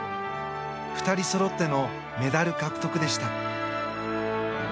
２人そろってのメダル獲得でした。